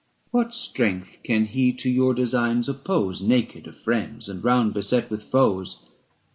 What strength can he to your designs oppose, Naked of friends, and round beset with foes?